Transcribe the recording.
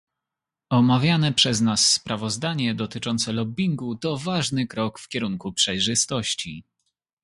Omawiane przez nas sprawozdanie dotyczące lobbingu to ważny krok w kierunku przejrzystości